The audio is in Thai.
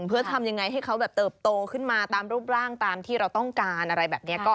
เพื่อทำยังไงให้เขาแบบเติบโตขึ้นมาตามรูปร่างตามที่เราต้องการอะไรแบบนี้